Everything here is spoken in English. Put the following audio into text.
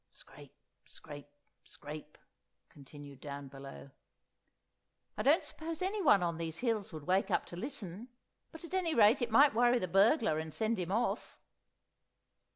(Scrape, scrape, scrape, continued down below.) "I don't suppose anyone on these hills would wake up to listen; but, at any rate, it might worry the burglar and send him off."